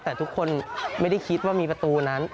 แต่ทุกคนไม่ได้คิดว่ามีประตูนั้น